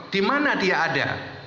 dimana dia ada